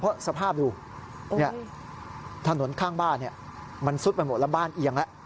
เพราะสภาพดูถนนข้างบ้านมันซุดไปหมดแล้วบ้านเอียงแล้ว